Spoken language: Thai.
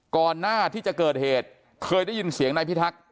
ก่อนหน้าที่จะเกิดเหตุเคยได้ยินเสียงนายพิทักษ์